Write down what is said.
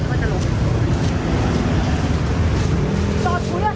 สดพูดอะสดพูดเลย